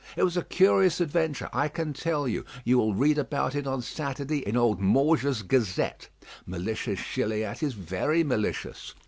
It was a curious adventure, I can tell you. You will read about it on Saturday in old Mauger's Gazette. Malicious Gilliatt is very malicious.